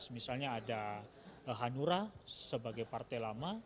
misalnya ada hanura sebagai partai lama